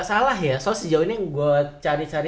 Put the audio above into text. salah ya soalnya sejauh ini yang gue cari cari